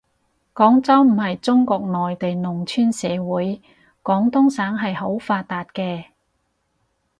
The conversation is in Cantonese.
廣州唔係中國內地農村社會，廣東省係好發達嘅